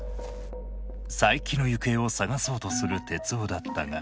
佐伯の行方を捜そうとする徹生だったが。